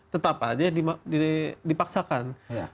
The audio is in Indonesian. tetap aja dipaksakan